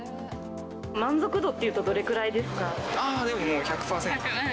満足度っていうと、どれくらでももう１００％。